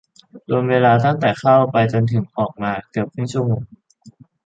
รวมเวลาตั้งแต่เข้าไปจนออกมาเกือบชั่วโมงครึ่ง